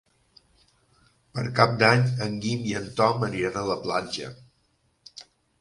Per Cap d'Any en Guim i en Tom aniran a la platja.